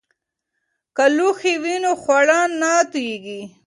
که لوښي وي نو خواړه نه توییږي.